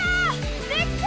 できた！